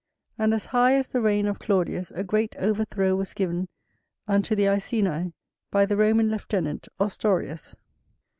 And as high as the reign of Claudius a great overthrow was given unto the Iceni, by the Roman lieutenant Ostorius.